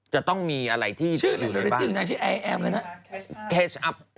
จะต้องมีอะไรที่ดูเลยป๋า